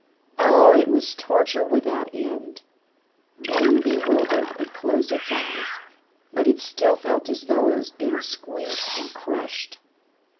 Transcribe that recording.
Oh, it was torture without end! Being bewildered, it closed its eyes; but it still felt as though it were being squeezed and crushed.